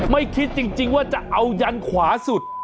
ไม่คิดจริงว่าจะเอายันขวาสุด